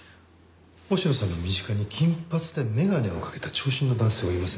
星野さんの身近に金髪で眼鏡をかけた長身の男性はいませんでしたか？